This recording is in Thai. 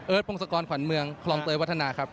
พงศกรขวัญเมืองคลองเตยวัฒนาครับ